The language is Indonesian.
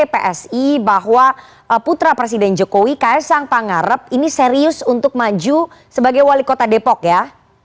psi bahwa putra presiden jokowi ks sang pangarep ini serius untuk maju sebagai wali kota depok ya